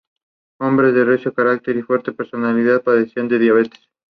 Hombre de recio carácter y fuerte personalidad, padecía de diabetes.